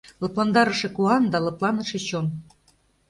Лыпландарыше куан да лыпланыше чон.